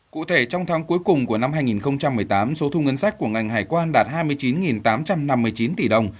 cụ thể trong tháng cuối cùng của năm hai nghìn một mươi tám số thu ngân sách của ngành hải quan đạt hai mươi chín tám trăm năm mươi chín tỷ đồng